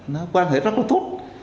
nó quan hệ rất là tốt